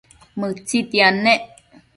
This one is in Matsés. Mëtsitiad nec